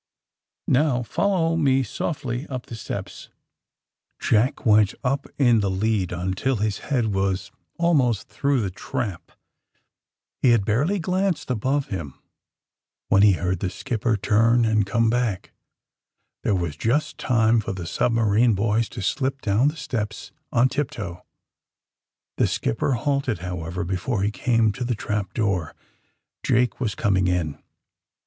Now, follow me softly up the steps." Jack went up in the lead until his head was almost through the trap. He had barely 88 THE SUBMABINE BOYS glanced about him when he heard the skipper turn and come back. There was just time for the subm^arine bo^^s to slip down the steps on tip toe. The skipper halted, however, before he came to the trap door. Jake was coming in.